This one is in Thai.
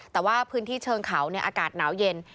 แต่ว่าพื้นที่เชิงเขาอากาศหนาวเย็น